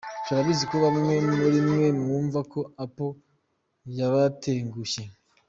Turabizi ko bamwe muri mwe mwumva ko Apple, yabatengushye.